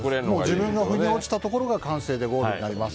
自分の腑に落ちたところが完成でゴールになります。